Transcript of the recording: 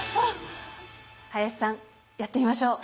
林さんやってみましょう！